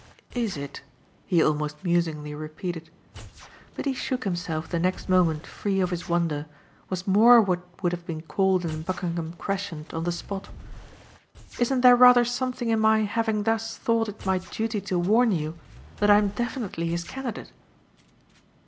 Is it?" he almost musingly repeated. But he shook himself the next moment free of his wonder, was more what would have been called in Buckingham Crescent on the spot. "Isn't there rather something in my having thus thought it my duty to warn you that I'm definitely his candidate?"